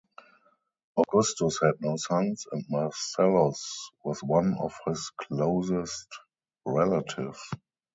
Augustus had no sons, and Marcellus was one of his closest relatives.